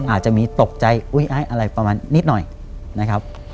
อาจจะมีตกใจอุ๊ยไอ้อะไรประมาณนิดหน่อยนะครับ